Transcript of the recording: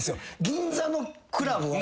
銀座のクラブは。